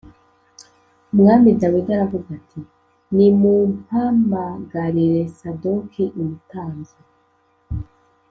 Umwami Dawidi aravuga ati “Nimumpamagarire Sadoki umutambyi